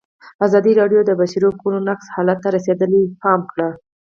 ازادي راډیو د د بشري حقونو نقض حالت ته رسېدلي پام کړی.